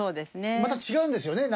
また違うんですよね？